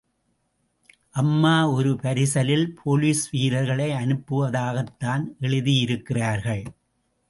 அம்மா ஒரு பரிசலில் போலீஸ் வீரர்களை அனுப்புவதாகத்தான் எழுதியிருக்கிறார்கள்.